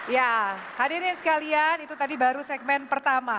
ya hadirin sekalian itu tadi baru segmen pertama